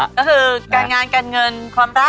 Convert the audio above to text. ก็คือการงานการเงินความรัก